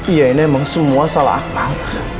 iya ini emang semua salah akal